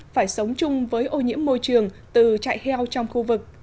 phải sống chung với ô nhiễm môi trường từ chạy heo trong khu vực